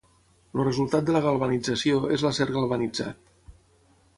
El resultat de la galvanització és l'acer galvanitzat.